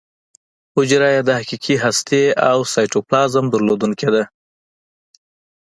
حجره یې د حقیقي هستې او سایټوپلازم درلودونکې ده.